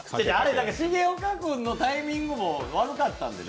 重岡君のタイミングも悪かったんでね。